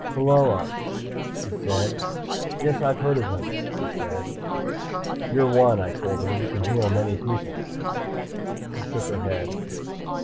"Pheola," she said. "Yes, I've heard of them," she said. "You're one," I told her. "You can heal many people." She shook her head.